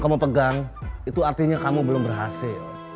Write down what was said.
kadang kadang juga té angka représentasi